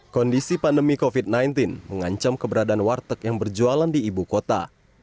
kondisi pandemi covid sembilan belas mengancam keberadaan warteg yang berjualan di ibu kota